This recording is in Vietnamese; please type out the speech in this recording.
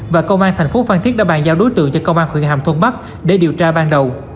và công an thành phố phan thiết đã bàn giao đối tượng cho công an huyện hàm thuận bắc để điều tra ban đầu